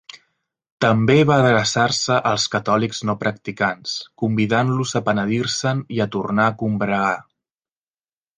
També va adreçar-se als catòlics no practicants, convidant-los a penedir-se'n i a tornar a combregar.